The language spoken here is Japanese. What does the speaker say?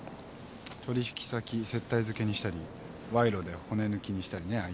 取引先接待漬けにしたりわいろで骨抜きにしたりね相手を。